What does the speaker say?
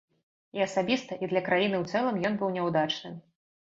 І асабіста, і для краіны ў цэлым ён быў няўдачным.